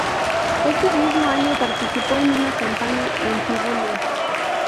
Ese mismo año participó en una campaña "anti-bullying".